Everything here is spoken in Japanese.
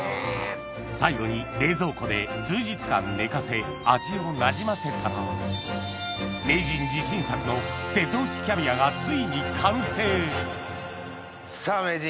最後に冷蔵庫で数日間寝かせ味をなじませたら名人自信作の瀬戸内キャビアがついに完成さぁ名人